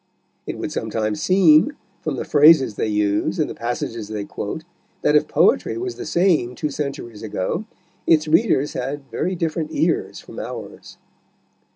It would sometimes seem, from the phrases they use and the passages they quote, that if poetry was the same two centuries ago, its readers had very different ears from ours.